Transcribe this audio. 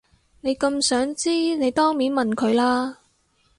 你咁想知你當面問佢啦